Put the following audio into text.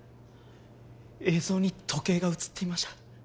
映像に時計が映っていました。